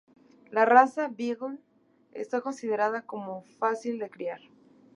La raza beagle está considerada como fácil de criar.